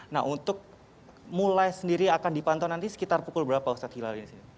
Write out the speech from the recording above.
nah untuk mulai sendiri akan dipantau nanti sekitar pukul berapa ustadz hilal ini